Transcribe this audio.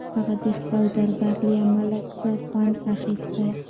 هغه د خپل دربار له ارامۍ څخه خوند اخیست.